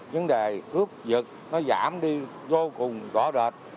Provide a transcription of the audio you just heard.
vấn đề cướp giật nó giảm đi vô cùng rõ rệt